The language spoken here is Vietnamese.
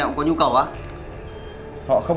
họ không có nhu cầu thì mình sẽ tạo ra nhu cầu cho họ